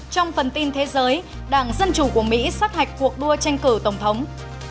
trong phần tin thế giới đảng dân chủ của mỹ sát hạch cuộc đua tranh cử tổng thống